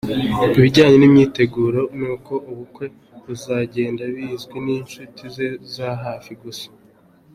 Ibijyanye n’imyiteguro n’uko ubukwe buzagenda bizwi n’inshuti ze za hafi gusa.